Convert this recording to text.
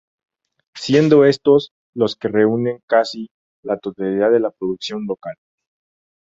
Siendo estos los que reúnen casi la totalidad de la producción local.